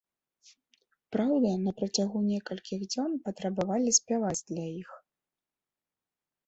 Праўда, на працягу некалькіх дзён патрабавалі спяваць для іх.